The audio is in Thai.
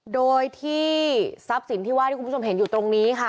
โดยที่ทรัพย์สินที่ว่าที่คุณผู้ชมเห็นอยู่ตรงนี้ค่ะ